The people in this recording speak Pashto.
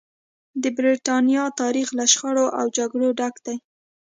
د برېټانیا تاریخ له شخړو او جګړو ډک دی.